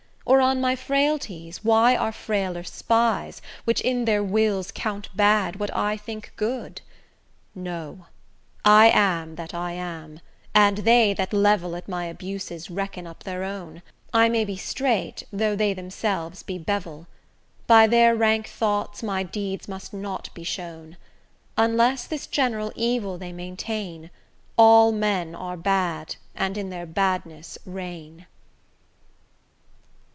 Or on my frailties why are frailer spies, Which in their wills count bad what I think good? No, I am that I am, and they that level At my abuses reckon up their own: I may be straight though they themselves be bevel; By their rank thoughts, my deeds must not be shown; Unless this general evil they maintain, All men are bad and in their badness reign.